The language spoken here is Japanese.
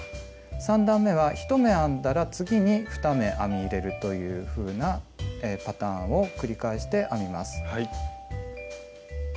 ３段めは１目編んだら次に２目編み入れるというふうなパターンを繰り返して編みます。